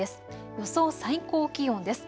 予想最高気温です。